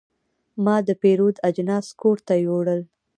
ما د پیرود اجناس کور ته یوړل.